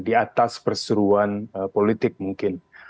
diatas perseruan politik mungkin